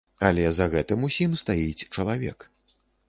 Але за гэтым усім стаіць чалавек.